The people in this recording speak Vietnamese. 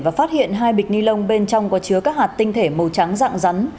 và phát hiện hai bịch ni lông bên trong có chứa các hạt tinh thể màu trắng dạng rắn